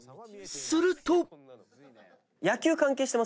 すると］